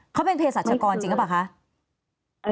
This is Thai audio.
เขาเป็นเพศรัชกรจริงหรือเปล่าคะ